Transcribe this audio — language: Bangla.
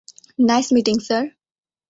Nice meeting, sir.